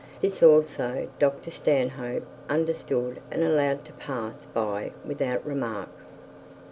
This also Dr Stanhope understood, and allowed to pass by without remark.